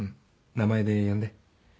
名前で呼んで。